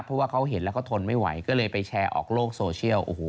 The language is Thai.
เพราะว่าเขาเห็นแล้วก็ทนไม่ไหวก็เลยไปแชร์ออกโลกโซเชียลโอ้โห